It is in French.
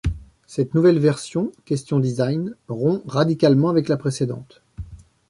Cette nouvelle version, question design, rompt radicalement avec la précédente.